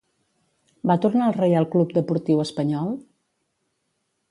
Va tornar al Reial Club Deportiu Espanyol?